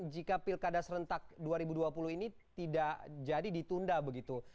jika pilkada serentak dua ribu dua puluh ini tidak jadi ditunda begitu